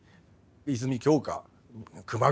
泉鏡花熊楠